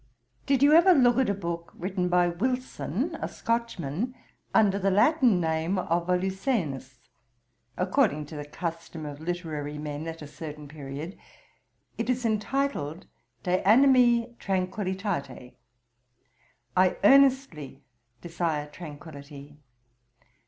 ] 'Did you ever look at a book written by Wilson, a Scotchman, under the Latin name of Volusenus, according to the custom of literary men at a certain period. It is entitled De Animi Tranquillitate. I earnestly desire tranquillity.